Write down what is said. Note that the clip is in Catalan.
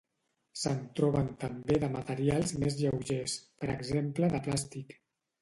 Se'n troben també de materials més lleugers, per exemple de plàstic.